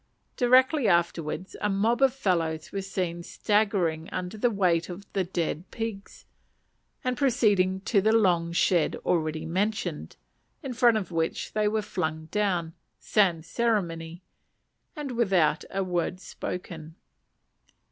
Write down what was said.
Directly afterwards a mob of fellows were seen staggering under the weight of the dead pigs, and proceeding to the long shed already mentioned, in front of which they were flung down, sans ceremonie, and without a word spoken.